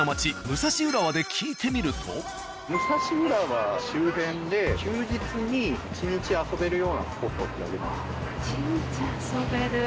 武蔵浦和周辺で休日に１日遊べるようなスポットってありますか？